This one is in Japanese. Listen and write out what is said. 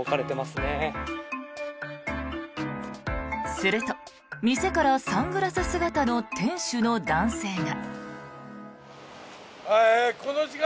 すると、店からサングラス姿の店主の男性が。